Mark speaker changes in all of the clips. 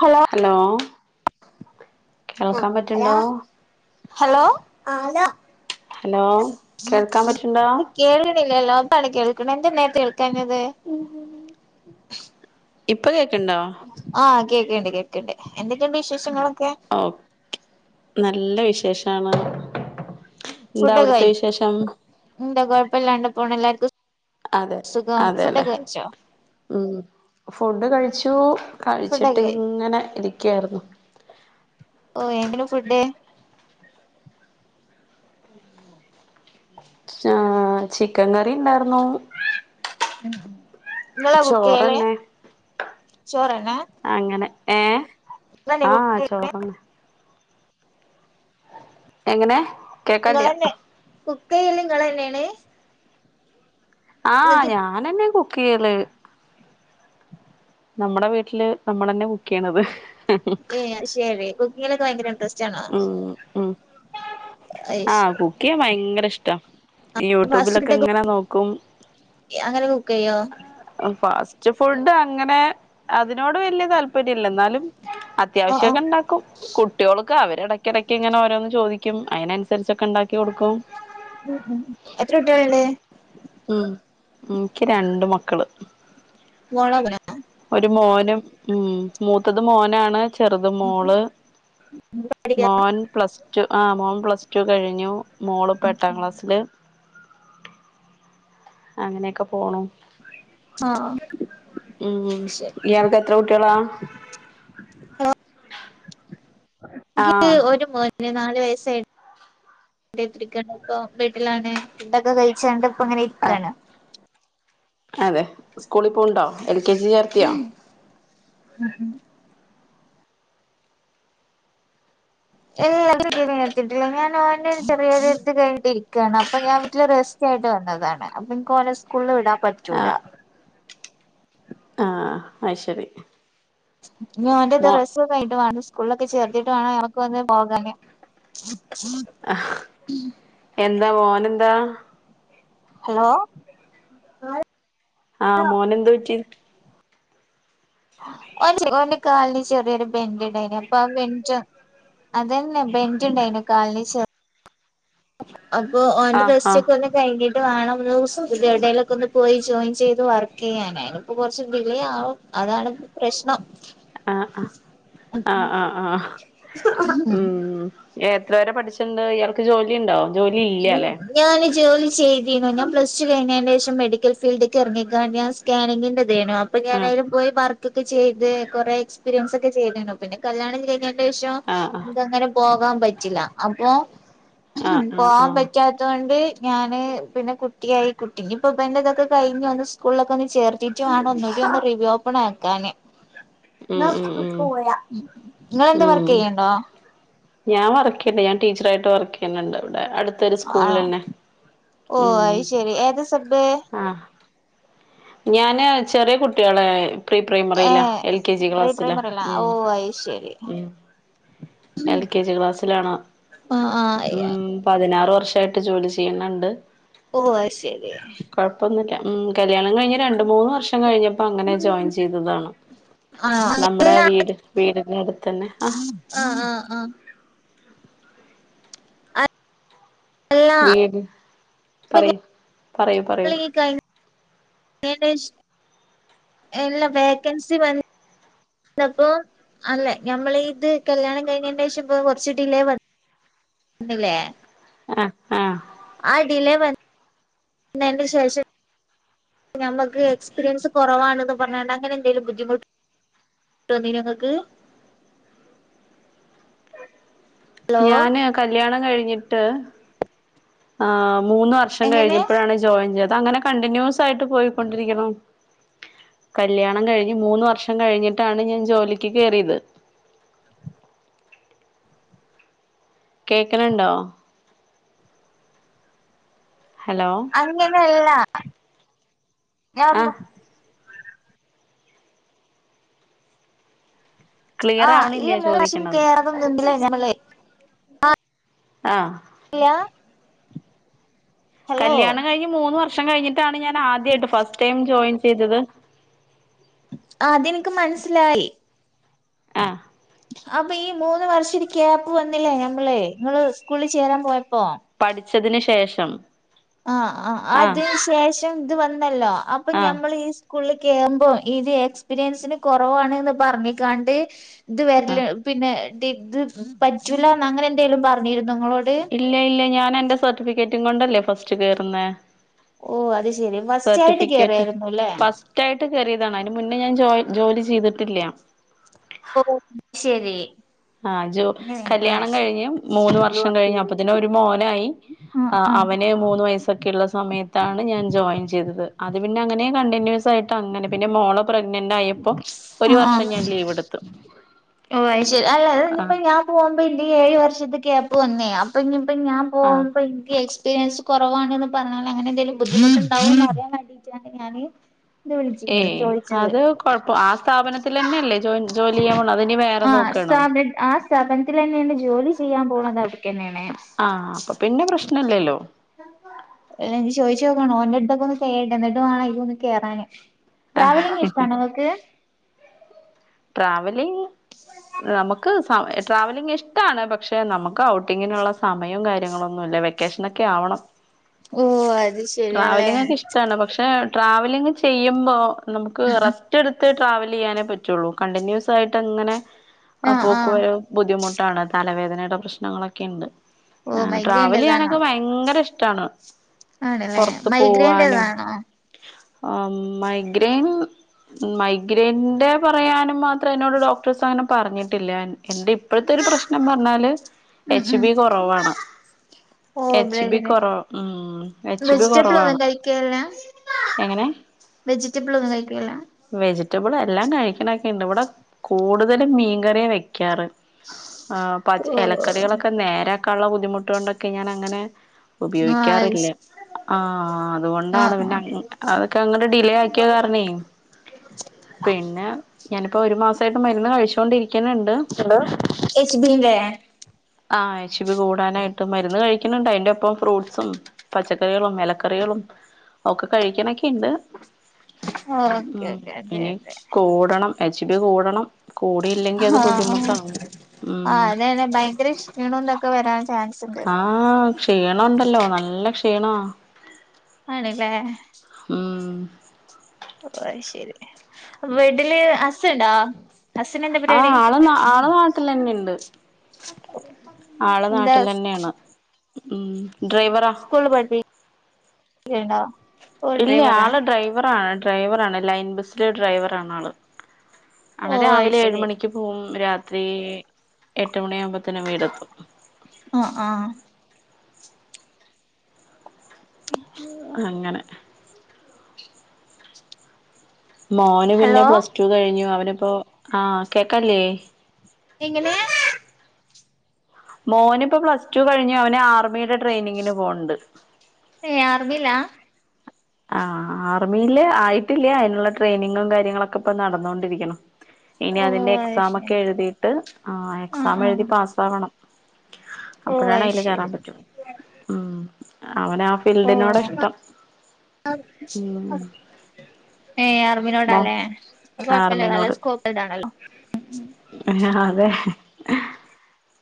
Speaker 1: Hello
Speaker 2: hello
Speaker 1: ആഹ്
Speaker 2: കേൾക്കാൻ പറ്റ്ണ്ടോ
Speaker 1: അലോ ഹലോ ആലോ
Speaker 2: ഹലോ കേൾക്കാൻ പറ്റ്ണ്ടോ
Speaker 1: കേൾക്ണില്ലല്ലോ പ്പാണ് കേൾക്ക്ണ് എന്തെ നേരെത്തെ കേൾക്കാഞ്ഞത്
Speaker 2: ഇപ്പ കേക്ക്ണ്ടോ
Speaker 1: ആഹ് കേക്ക്ണ്ട് കേക്ക്ണ്ട് എന്തെക്കെണ്ട് വിശേഷങ്ങളൊക്കെ
Speaker 2: ഓക്കേ നല്ല വിശേഷാണ് എന്താ
Speaker 1: ഫുഡ്ഡൊക്കെ
Speaker 2: അവിടുത്തെ
Speaker 1: കയിച്
Speaker 2: വിശേഷം
Speaker 1: എന്താ കൊഴപ്പല്ലാണ്ട് പോണ് എല്ലാർക്കും
Speaker 2: അതെ
Speaker 1: സു സുഖം
Speaker 2: അതെല്ലേ
Speaker 1: ഫുഡ്ഡൊക്കെ കയിച്ചോ
Speaker 2: ഉം ഫുഡ് കഴിച്ചു കഴിച്ചിട്ട്
Speaker 1: ഫുഡൊക്കെ കഴി
Speaker 2: ഇങ്ങനെ ഇരിക്കാരുന്നു
Speaker 1: ഓ എന്തര് ഫുഡ് [unintelligible]
Speaker 2: ആഹ് ചിക്കൻ കറി ഇണ്ടാർന്നു
Speaker 1: നിങ്ങളാ കുക്ക് ചെയ്യല്
Speaker 2: ചോറന്നേ
Speaker 1: ചോറന്നെ
Speaker 2: അങ്ങനെ ഏഹ്
Speaker 1: നിങ്ങളല്ലേ
Speaker 2: ആഹ്
Speaker 1: കുക്ക്
Speaker 2: ചോറെന്നെ എങ്ങനെ കേക്കല്ല്യ
Speaker 1: ഇങ്ങളെന്നെ കുക്കയ്യെല് ഇങ്ങളെന്നേണ്
Speaker 2: ആഹ് ഞാനന്നെ കുക്കയ്യല് നമ്മടെ വീട്ടില് നമ്മള് തന്നെ ബുക്ക് ചെയ്യണത്
Speaker 1: ഏ ശരി കുക്കിങ്ങിലൊക്കെ ഭയങ്കര ഇൻട്രസ്റ്റ് ആണോ
Speaker 2: ഉം ഉം ആഹ്
Speaker 1: അയ്ശരി
Speaker 2: കുക്ക് ചെയ്യഭയങ്കര ഇഷ്ട ഈ
Speaker 1: ഫാസ്റ്റ്
Speaker 2: യൂട്യൂബിലൊക്കെ
Speaker 1: ഫുഡൊക്കെ
Speaker 2: ഇങ്ങനെ നോക്കും
Speaker 1: അങ്ങനെ കുക്ക് ചെയ്യോ
Speaker 2: ഫാസ്റ്റ് ഫുഡ് അങ്ങനെ അതിനോട് വല്യ താല്പര്യ ഇല്ല എന്നാലും
Speaker 1: ആഹ് ആഹ്
Speaker 2: അത്യാവശ്യംക്കെ ഉണ്ടാക്കും കുട്ടികൾ അവരെടക്ക ഇടയ്ക്ക് ഇങ്ങനെ രോന്ന് ചോദിക്കും അതിനൻസരിച്ചൊക്കെ ഉണ്ടാക്കി കൊടുക്കും
Speaker 1: ഉം ഉം എത്ര കുട്ടികളുണ്ട്
Speaker 2: ഉം ഉം ഇക്ക് രണ്ട് മക്കള്
Speaker 1: മോളോ [unintelligible] നോ
Speaker 2: ഒരു മോനും മൂത്തത് മോനാണ് ചെറുത് മോള്
Speaker 1: പഠിക്കാ
Speaker 2: മോൻ പ്ലസ് ടു ആ മോൻ പ്ലസ് ടു കഴിഞ്ഞു മോള്പ്പ എട്ടാം ക്ലാസ്സില് അങ്ങനെക്കെ പോണു
Speaker 1: ആഹ്
Speaker 2: ഉം
Speaker 1: ശരി
Speaker 2: ഇയാൾക്ക് എത്ര കുട്ടികളാ
Speaker 1: എ
Speaker 2: ആഹ്
Speaker 1: നിക്ക്ഒരു മോൻ പി നാല് വയസ്സായി എത്തിരിക്ക ഇപ്പ വീട്ടിലാണ് ഫുഡൊക്കെ കഴിച്ചണ്ട് അപ്പ അങ്ങെനെ
Speaker 2: ആഹ്
Speaker 1: ഇരിക്കാണ്
Speaker 2: അതെ സ്കൂളി പോ ഉണ്ടോ എൽ കെ ജി ചേർ
Speaker 1: [inaudible] ഏ അ എത്തിട്ടില്ല ഞാൻ ഓൻ്റെ ചെറിയഒരുത് കഴിഞ്ഞട്ടിരികാണ് അപ്പൊ ഞാൻ വീട്ടിലെ റെസ് തീർച്ചയായിട്ട് വന്നതാണ് അപ്പൊ ഇൻക്ക് ഓനെ സ്കൂളിൽ വിടാൻ
Speaker 2: ആഹ്
Speaker 1: പറ്റൂല
Speaker 2: അ ശരി
Speaker 1: ഞാനന്ത്
Speaker 2: മോ
Speaker 1: റസ് [unintelligible] വേണം സ്കൂളിലൊക്കെ ചേർത്തിട്ട് വേണം ഞങ്ങൾക്ക് ഒന്ന് പോകാന്
Speaker 2: ആ എന്താ മോനെന്താ?
Speaker 1: ഹലോ
Speaker 2: ആഹ് മോന് എന്ത് പറ്റി
Speaker 1: ഓൻ്റെ കാലിന് ചെറിയൊരു ബെന്ഡ ഇണ്ടായിനി അപ്പൊ അം ബെൽറ്റാ അതന്നെ ബെന്റ് ഉണ്ടായിനു കാലിന് അപ്പൊ ഓൻ്റെ
Speaker 2: ആഹ് ആഹ്
Speaker 1: റസ്റ്റ്ക്കന്നെ ത് കഴിഞ്ഞിട്ട് വേണം സ എവിടേയിലൊക്കെ ഒന്ന് പോയി ജോയിൻ ചെയ്ത് വർക്ക് ചെയ്യാനായി അയിനിപോ കുറച്ച് ഡിലേ യാവും അതാണ് പ്രശ്നം
Speaker 2: ആഹ് ആ ആഹ ആഹ് ആഹ് ഉം ഏ എത്ര വരെപഠിച്ചിണ്ട് ഇയാൾക്ക് ജോലി ഇണ്ടോജോലി ഇല്ല ല്ലേ
Speaker 1: ഞാന് ജോലി ചെയ്തിരുന്നു ഞാൻ പ്ലസ്ടു കഴിഞ്ഞതിന്റെ ശേഷം മെഡിക്കൽ ഫീൽഡ്ക്ക് ഇറങ്ങിക്കാ ഞാൻ സ്കാനിങ്ങിന്റെ ദേനു അപ്പ
Speaker 2: ആഹ്
Speaker 1: ഞാനായാലും പോയി വർക്കൊക്കെ ചെയ്ത് കൊറെ എക്സ്പീരിയൻസ് ഒക്കെ ചെയ്തു പിന്നെ കല്യാണം കഴിഞാ ശം
Speaker 2: ആഹ്
Speaker 1: നക്ക്ങ്ങനെ പോകാൻ പറ്റില്ല അപ്പോ
Speaker 2: ആഹ് ആഹ് ആഹ്
Speaker 1: അതോണ്ട് ഞാന് പിന്നെ കുട്ടിയായി കുട്ടി ഇപ്പൊ ബൻ്റെതൊക്കെ കഴിഞ്ഞ് ഒന്ന് സ്കൂളിലൊക്കെ ഒന്ന് ചേർത്തിട്ട് വേണം ഒന്നിട്ട ഒന്ന് റിവോപ്പൺ ആക്കാന്
Speaker 2: ഉ
Speaker 1: ഞാ സ്കുക്ക് പോവുല
Speaker 2: ഉം ഞാൻ വർക്ക് ചെയ്യണ്ട ഞാൻ ടീച്ചറായിട്ട് വർക്ക് ചെയ്യുന്നുണ്ട് അടു ത്തരു
Speaker 1: ആണോ
Speaker 2: സ്കൂളിൽന്നെ
Speaker 1: ഓ
Speaker 2: ഉം
Speaker 1: അത് ശെരി ഏതാ സബ്
Speaker 2: ആ ഞാന് ചെറിയ കുട്ടികളെ പ്രീ
Speaker 1: ഏ
Speaker 2: പ്രൈമറിയിലാ എൽ കെ ജി
Speaker 1: പ്രീ
Speaker 2: ക്ലാസ്സിലാ
Speaker 1: പ്രൈമറിലാ ഓ അത് ശരി
Speaker 2: എൽ കെ ജി ക്ലാസ്സിലാണ്
Speaker 1: ആ ആ
Speaker 2: ഉം പതിനാറ് വർഷായിട്ട് ജോലി ചെയ്യണണ്ട്
Speaker 1: ഓ അത് ശരി
Speaker 2: കുഴപ്പൊന്നില്ല ഉം കല്യാണം കഴിഞ്ഞോ രണ്ട് മൂന്ന് വർഷം കഴിഞ്ഞപ്പോ അങ്ങനെ ജോയിൻ ചെയ്തതാണ്.
Speaker 1: ആ ഇല്ല
Speaker 2: [unintelligible] വീട് വീടിന്റെ അടുത്ത് തന്നെ ആ
Speaker 1: ആഹ ആഹ് ആഹ എ
Speaker 2: ഏത്
Speaker 1: [unintelligible] നിങ്ങളി കഴിഞ്ഞതിൻ്റെ ശേഷം എല്ല വേക്കൻസി വന്ന പ്പോ. അല്ലെ ഞമ്മൾ ഇത് കല്യാണം കഴിഞ്ഞതിന്റെഷം ഇപ്പ കൊറച്ച് ഡിലേ വന്നില്ലേ
Speaker 2: ആഹ്
Speaker 1: ആ ഡിലേ വ ന്നൻ്റെ ശേഷം നമുക്ക് എക്സ്പീരിയൻസ് കുറവാണെന്ന് പറഞ്ഞാണ്ട് അങ്ങനെ എന്തെങ്കും ബദ്ധിമുട്ട്. ട്ട് തന്നിനോ നിങ്ങൾക്ക്. ഹലോ
Speaker 2: ഞാന് കല്യാണം കഴിഞ്ഞിട്ട് ആ മൂന്ന് വർഷം
Speaker 1: എങ്ങനെ
Speaker 2: കഴിഞ്ഞപ്പോഴാണ്. ജോയിൻ ചെയ്ത് അങ്ങനെ കണ്ടിന്യൂസ് ആയിട്ട് പോയിക്കൊണ്ടിരിക്ക്ണു. കല്ല്യാണം കഴിഞ്ഞ്മൂന്ന് വർഷം കഴിഞ്ഞിട്ടാണ് ഞാൻ ജോലിക്ക് കയറിയത്. കേക്ക്ണുണ്ടോ? ഹലോ?
Speaker 1: അങ്ങനെയല്ല ഞൻ
Speaker 2: ആഹ്
Speaker 1: ആ
Speaker 2: ക്ലിയർ
Speaker 1: ഈ
Speaker 2: ആവണില്ലേ
Speaker 1: മൂന്ന് വർഷം
Speaker 2: ചോദിക്കണത്
Speaker 1: കേറതുംണ്ടില്ലേ ഞല്ലേ
Speaker 2: ആഹ്
Speaker 1: ഏ
Speaker 2: കല്യാണം കഴിഞ്ഞ് മൂന്ന് വർഷം കഴിഞ്ഞിട്ടാണ് ഞാൻ ആദ്യമായിട്ട് ഫസ്റ്റ് ടൈം ജോയിൻ ചെയ്തത്.
Speaker 1: അതെനിക്ക് മനസിലായി.
Speaker 2: ആഹ്
Speaker 1: അപ്പൊ ഈ മൂന്ന് വർഷം ഒരു ക്യാപ്പ് വന്നില്ലേ ഞമ്മള് നിങ്ങള് സ്കൂളിൽ ചേരാൻ പോയപ്പോ.
Speaker 2: പഠിച്ചതിന് ശേഷം.
Speaker 1: ആ ആ
Speaker 2: ആഹ്
Speaker 1: അതിന് ശേഷം ഇത് വന്നല്ലോ അപ്പൊ
Speaker 2: ആഹ്
Speaker 1: ഞമ്മൾ ഈ സ്കൂളിൽ കേറുമ്പോം ഇത് എക്സ്പീരിയൻസിന് കൊറവാണ്ന്ന് പറഞ്ഞ്കണ്ട്. ഇത്
Speaker 2: ആഹ്
Speaker 1: വരല് പിന്നെ ഇത് പറ്റൂലന്ന് അങ്ങനെ എന്തായാലും പറഞ്ഞിരുന്നോ നിങ്ങളോട്.
Speaker 2: ഇല്ല ഇല്ല ഞാൻ എന്റെ സർട്ടിഫിക്കറ്റും കൊണ്ടല്ലേ ഫസ്റ്റ് കേയറുന്ന.
Speaker 1: ഓ അത് ശെരി ഫസ്റ്റായിട്ട് കേയറിയായിരുന്നുല്ലെ?
Speaker 2: ഫസ്റ്റായിട്ട് കറിയതാണ്. അതിന് മുന്നേ ഞാൻ ജോ ജോലി ചെയ്തിട്ടില്ല.
Speaker 1: ഓ ശരി.
Speaker 2: ആഹ ജോ
Speaker 1: അങ്ങനെയാണല്ലേ
Speaker 2: കല്യാണം കഴിഞ്ഞ് മൂന്ന് വർഷം കഴിഞ്ഞ് അപ്പത്തിന്ന് ഒരു മോനായി.
Speaker 1: ആഹ്
Speaker 2: ആ
Speaker 1: ആഹ്
Speaker 2: അവന് മൂന്ന് വയസ്സ്. ഒക്കെയള്ള സമയത്താണ് ഞാൻ ജോയിൻ ചെയ്തത്. അത് പിന്നെ അങ്ങനെ കണ്ടിന്യൂസ് ആയിട്ട് അങ്ങനെ പിന്നെ മോള പ്രഗ്നന്റ് ആയപ്പോ ഒരു
Speaker 1: ആഹ്
Speaker 2: വർഷം
Speaker 1: ആഹ്
Speaker 2: ഞാൻ ലീവ് എടുത്തു.
Speaker 1: ഓ ശരി അല്ല അ
Speaker 2: ആഹ്
Speaker 1: ഇനിയിപ്പോ ഞാൻ പോകുമ്പോ ഇന്റെ ഏഴ് വർഷത്തൊക്കെപ്പ് വന്ന്. അപ്പൊ ഇനിയിപ്പോ ഞാൻ
Speaker 2: ആഹ്
Speaker 1: പോകുമ്പോ ഗസ് എക്പീരിയൻസ് കുറവാണെന്ന് പറഞ്ഞാൽ അങ്ങനെ എന്തേലും ബുദ്ധിമുട്ടുണ്ടാവോ അറിയാൻ വേണ്ടീട്ടാണ് ഞാന്. എന്ത് വിളിച്ചി ചോദിച്ചത്.
Speaker 2: കുഴപ്പം ആ സ്ഥാപനത്തി തന്നെ അല്ലേോ ജോലി ചെയ്യാൻ പോണ് അതിനി വേറെ നോക്കണോ?
Speaker 1: ആസ് സ്ഥപനത്തിൽ തന്നെയാണ് ജോലി ചെയ്യാൻ പോകണത് അവിടെക്ക് തന്നെയാണ്.
Speaker 2: ആഹ അപ്പൊ പിന്നെ പ്രശ്നല്ലല്ലോ.
Speaker 1: ല്ല എനിക്ക് ചോദിച്ചു നോക്കണോ ഒടുത്തൊക്കെ ഒന്ന് കേണ്ട എന്നിട്ട് വേണംഎനിക് ഒന്ന് കേയറാന്.
Speaker 2: ആ ട്രാവലിങ്. നമുക്ക് സ ട്രാവലിംഗ് ഇഷ്ടമാണ് പക്ഷെ നമുക്ക് ഔട്ടിങ്ങിനുള്ള സമയം കാര്യങ്ങളൊന്നുമല്ല. വ്യക് വെക്കെഷനൊക്കെ ആവണം
Speaker 1: ഓ അത് ശരിയല്ലേ
Speaker 2: ട്രാവലിങ്ങക്കെ ഇഷ്ട്ടാണ്. പക്ഷേ ട്രാവലിങ്ങ് ചെയ്യുമ്പോ നമുക്ക്
Speaker 1: ഉം ഉം
Speaker 2: റസ്‌റ്റ് റ്റ്ട്ത്ത് ട്രാവലെയ്യാനേ പറ്റുള്ളൂ. കണ്ടിന്യൂസായിട്ടങ്ങനെ
Speaker 1: ആ ആ
Speaker 2: പോക്ക് വരവ്. ബുദ്ധിമുട്ടാണ് തലവേദനടെ പ്രെശ്നങ്ങളൊക്കെണ്ട്.
Speaker 1: ഓ
Speaker 2: ആഹ്
Speaker 1: മൈഗ്രേന്റെതാണോ
Speaker 2: ട്രാവലെയ്യാനൊക്കെ ഭയ്ങ്കരഷ്ടാണ്.
Speaker 1: ആണ്ലേ മൈഗ്രേൻ്റെതാണോ?
Speaker 2: അം മൈഗ്രീൻ. മൈഗ്രേന്റെ പറയാനും മാത്രം എന്നോട് ഡോക്ടേഴ്സ് അങ്ങനെ പറഞ്ഞിട്ടില്ല. ന്റെ ഇപ്പഴ്ത്തൊരു പ്രശ്നം പർഞ്ഞാല്
Speaker 1: ഉം
Speaker 2: എച്ച്
Speaker 1: ഉം
Speaker 2: ബി കൊറവാണ്
Speaker 1: ഓ
Speaker 2: എച്ച്ബി
Speaker 1: ബ്രെഡിന്
Speaker 2: കൊറവ് ഉം എച്ച്ബി
Speaker 1: വെജിറ്റബിൾ ഒന്നും
Speaker 2: കൊറവാണ് എങ്ങനെ
Speaker 1: വെജിറ്റബ്ളൊന്നും കഴിക്ക്ണ്ല്ല
Speaker 2: വെജിറ്റബിളെല്ലാം കഴിക്ക്ണക്ക്ണ്ട് വടെ കൂട്തലും മീൻകറ്യാ വെക്കാറ് ആഹ്
Speaker 1: ഓ
Speaker 2: പച് എലക്കറികളൊക്കെ നേരാക്കാള്ള ബുദ്ധിമുട്ടോണ്ടൊക്കെ ഞാനങ്ങനെ
Speaker 1: ആഹ്
Speaker 2: ഉപയോഗിക്കാറില്ല ആ അതുകൊണ്ടാണ്
Speaker 1: ആഹ് ആഹ്
Speaker 2: പിന്നെ അതൊക്കെങ്ങട് ഡിലേ ആ ക്ക്യ കാര്ണേ പിന്നെ ഞാനിപ്പോ ഒരു മാസായിട്ട് മരുന്ന് കഴിച്ചുകൊണ്ടിരിക്ക്ണ് ണ്ട്
Speaker 1: ഹലോ എച്ച് ബീന്റെ
Speaker 2: ആഹ് എച്ച്ബി കൂടാനായിട്ട് മര്ന്ന് കഴി ക്ക്ണ് ണ്ട് അയ്ന്റൊപ്പം ഫ്രൂട്സും പച്ചക്കറികളും എലക്കറികളും ഒക്കെ കഴിക്ക്ണെക്കെണ്ട്
Speaker 1: ഓക്കെ
Speaker 2: ഉം
Speaker 1: ഓക്കെ അതെ
Speaker 2: ഇനി
Speaker 1: അതെ
Speaker 2: കൂടണം എച്ച്ബി കൂടണം കൂടിയില്ലെങ്കി അത് ബുദ്ധിമുട്ടാവും ഉം
Speaker 1: ന്നേനെ ഭയങ്കര ക്ഷീണംതൊക്കെ വെരാൻ ചാൻസ്ണ്ട്
Speaker 2: ആഹ് ക്ഷീണൊണ്ടല്ലോ നല്ല ക്ഷീണാ
Speaker 1: ആണ്ലേ
Speaker 2: ഉം
Speaker 1: ഓഹ് അയ്ശെരി വീട്ട്ൽ ഹസുണ്ടോ ഹസിനെന്താ പരിപാടി
Speaker 2: ആഹ് ആള് ആള് ആൾ
Speaker 1: എന്താ
Speaker 2: നാട്ടിലെന്നേണ് ഉം ഡ്രൈവറാ
Speaker 1: ചെയ്യ്ണ്ടോ
Speaker 2: ഇല്ല്യാ ആൾ ഡ്രൈവറാണ് ഡ്രൈവറാണ് ലൈൻ ബസിലെ ഡ്രൈവറാണാൾ
Speaker 1: ഓ
Speaker 2: ആണ്
Speaker 1: അത്
Speaker 2: രാവിലെ ഏഴ്
Speaker 1: ശരി
Speaker 2: മണിക്ക് പോവും രാത്രീ എട്ട് മണിയാവുമ്പോത്തേനും വീടെത്തും
Speaker 1: ആഹ് ആഹ്
Speaker 2: അങ്ങനെ മോന് പിന്നെ
Speaker 1: ഹലോ
Speaker 2: പ്ലസ്ടു കഴിഞ്ഞു അവനിപ്പോ ആ കേക്കാല്ലേ
Speaker 1: എങ്ങനെയാ
Speaker 2: മോനിപ്പം പ്ലസ് ടു കഴിഞ്ഞു അവന് ആർമിയുടെ ട്രെയിനിങ്ങിന് പോക്ണ്ട്
Speaker 1: ഏഹ് ആർമീലാ
Speaker 2: ആഹ് ആർമിയിൽ ആയിട്ടില്ല്യാ അയ്ന്ള്ള ട്രെയ്നിങ്ങും കാര്യങ്ങളൊക്കെ പ്പം നടന്നോണ്ടിരിക്ക്ണ് ഇനി
Speaker 1: ഓ
Speaker 2: അതിന്റെ എക്സാമൊക്കെ
Speaker 1: അയ്ശരി
Speaker 2: എഴുതി ട്ട്
Speaker 1: ആ ആ
Speaker 2: എക്സാമെഴുതി പാസ്സാകണം
Speaker 1: ഓ
Speaker 2: അപ്പഴാണ് അയ്ൽ
Speaker 1: അയ്ശരി
Speaker 2: കേറാൻ പറ്റു ഉം അവനാ ഫീൽഡിനോടാ ഇഷ്ടം ഉം
Speaker 1: [unintelligible] ഏഹ്
Speaker 2: മോ
Speaker 1: ആർമിനോടാലേ കൊഴ്പ്പല്ല നല്ല
Speaker 2: ആർമിനോട്
Speaker 1: സ്കോപ്പ് ഇതാണല്ലോ
Speaker 2: അതെ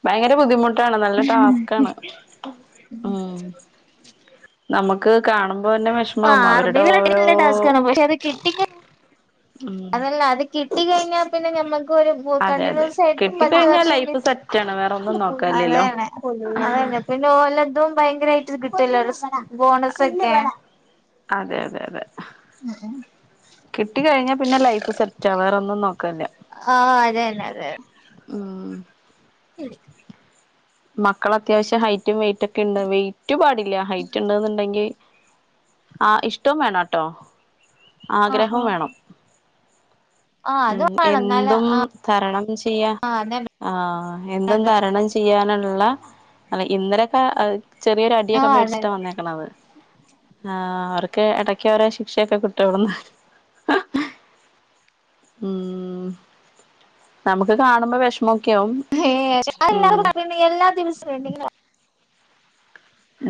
Speaker 2: ഭയങ്കര ബുദ്ധിമുട്ടാണ് നല്ല ടാസ് ക്കാണ് നമ്ക്ക് കാണുമ്പൊന്നെ വെഷ്
Speaker 1: ആ ആർമീൽ നല്ല ടാസ്കാണ് പക്ഷെ അത് കിട്ടിക്ക
Speaker 2: ഉം
Speaker 1: അതല്ലാ അത് കിട്ടി കഴിഞ്ഞാ പിന്നെ ഞമ്മക്കൊരു
Speaker 2: അതെ അതെ
Speaker 1: കണ്ട്ന്യൂസയ്ട്ട് പത്ത്
Speaker 2: കിട്ടിക്കഴിഞ്ഞാൽ
Speaker 1: വർഷം
Speaker 2: ലൈഫ് സെറ്റാണ് വേറെ ഒന്നും നോക്കാനില്ലല്ലോ
Speaker 1: അതെന്നെ അതന്നെ പിന്നെ ഓലതും ഭയ്ങ്കരായ്ട്ട് കിട്ടല്ലേ ബോണസെക്കെ
Speaker 2: അതെ അതെ അതെ
Speaker 1: ഉം
Speaker 2: കിട്ടി കഴിഞ്ഞാൽ പിന്നെ ലൈഫ് സെറ്റാ വേറൊന്നും നോക്കാല്ല
Speaker 1: ആഹ് അതെന്നെ അതെ
Speaker 2: ഊം.
Speaker 1: [inaudible]
Speaker 2: മക്കളത്യാവശ്യം ഹൈറ്റും വെയിറ്റൊക്കെണ്ടൊ വെയ്റ്റ് പാടില്ല ഹൈറ്റ് ണ്ട്ന്നുണ്ടെങ്കി ആഹ് ഇഷ്ടം വേണൊട്ടോ
Speaker 1: ആ ആ
Speaker 2: ആഗ്രഹൊം വേണം
Speaker 1: ആ അത്
Speaker 2: ഉം
Speaker 1: വേണം എന്നാല്
Speaker 2: എന്തും
Speaker 1: ആ
Speaker 2: തരണം ചെയ്യാ
Speaker 1: ആ അതന്നെ
Speaker 2: ആഹ് എന്തും
Speaker 1: അതന്നെ
Speaker 2: തരണം ചെ യ്യാനുള്ള അല്ല ഇന്നരൊക്കെ അഅ്
Speaker 1: ആ
Speaker 2: ചെറിയൊരടിയൊക്കെ മേടിച്ചിട്ടാ
Speaker 1: അതന്നെ
Speaker 2: വന്നേക്കണത് ആഹ് അവർക്ക് എടക്ക് ഓരോ ശിക്ഷയൊക്കെ കിട്ടുംവിടന്ന് ഊം നമുക്ക് കാണുമ്പൊ വെഷമൊക്കെയാവും
Speaker 1: ഏഹ് [unintelligible] എല്ലാ ദിവസോം ണ്ടെങ്കിലോ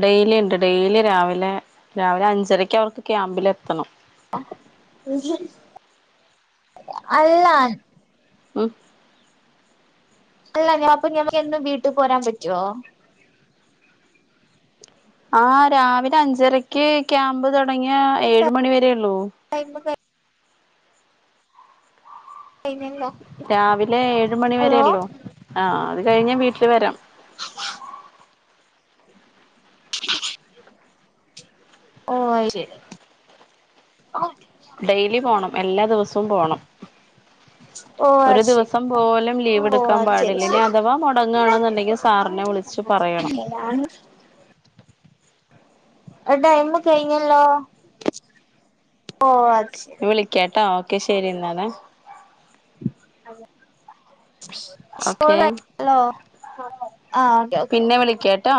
Speaker 2: ഡെയിലിണ്ട് ഡെയിലി രാവിലെ രാവിലെ അഞ്ചരക്കവർക്ക് ക്യാമ്പിലെത്തണം
Speaker 1: [inaudible] അല്ലാ
Speaker 2: ഉം
Speaker 1: സ്‌റ്റല്ലെങ്ങനാ പ്പ ഞമ്മക്കെന്നും വീട്ടിപോരാൻ പറ്റോ?
Speaker 2: ആഹ് രാവിലഞ്ചരക്ക് ക്യാമ്പ് തുടങ്ങ്യാ ഏഴ് മണി വരെ ള്ളൂ.
Speaker 1: ടൈം കഴിഞ്ഞല്ലോ
Speaker 2: രാവിലെ ഏഴ് മണി വരെ
Speaker 1: ഹലോ
Speaker 2: ള്ളൂ ആ അത് കഴിഞ്ഞ് വീട്ടിൽ വരാം
Speaker 1: ഓഹ് അഅ് ശരി
Speaker 2: ഡെയിലി പോണം എല്ലാ ദിവസവും പോണം
Speaker 1: ഓ
Speaker 2: ഒരു
Speaker 1: അത് ശരി
Speaker 2: ദിവസം പോലും
Speaker 1: ഓ
Speaker 2: ലീവെടുക്കാൻ
Speaker 1: അത് ശരി
Speaker 2: പാടില്ല ഇനി
Speaker 1: ശരി
Speaker 2: അഥവാ മൊടങ്ങാണെന്നുണ്ടെങ്കി സാറിനെ വിളിച്- ച്ച് പറയണം
Speaker 1: [unintelligible] അഅ് ടൈമ് കഴിഞ്ഞല്ലോ ഓഹ് അത് ശരി
Speaker 2: ളിക്കാട്ടൊ ഓക്കെ ശരിന്നാല്
Speaker 1: [unintelligible]
Speaker 2: ഓക്കെ
Speaker 1: സ്കോളല്ലോ ആഹ് ഓക്കെ ഓക്കെ
Speaker 2: കേട്ടോ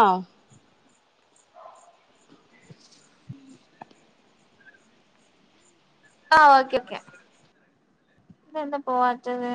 Speaker 1: ഉ ആഹ് ഓക്കെ ഓക്കെ തെന്താ പോവാത്തത്?